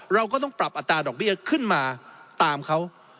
เราก็ต้องปรับอัตราดอกเบี้ยขึ้นมาตามเขา